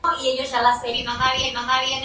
Takuya Wada